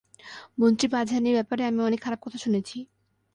মন্ত্রী পাঝানির ব্যাপারে আমি অনেক খারাপ কথা শুনেছি।